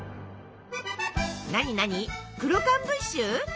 なになに「クロカンブッシュ」？